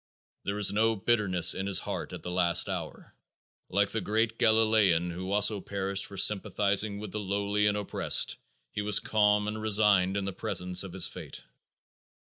There is no bitterness in his heart at the last hour. Like the great Galilean who also perished for sympathizing with the lowly and oppressed, he was calm and resigned in the presence of his fate.